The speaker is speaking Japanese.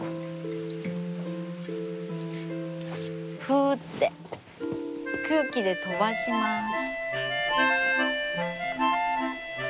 ふうって空気で飛ばします。